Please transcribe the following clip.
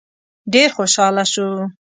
ډېر خوشاله شو.